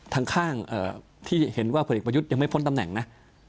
ข้างที่เห็นว่าผลเอกประยุทธ์ยังไม่พ้นตำแหน่งนะ